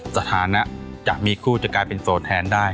สถานะจะมีคู่จะกลายเป็นโสดแทนได้